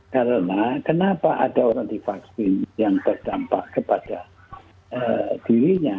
karena kenapa ada orang divaksin yang terdampak kepada dirinya